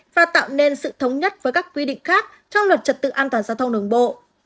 và tạo nên sự thống nhất với các quy định khác trong luật trật tự an toàn giao thông đường bộ